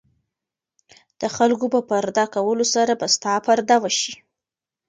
د خلکو په پرده کولو سره به ستا پرده وشي.